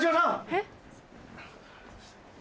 えっ。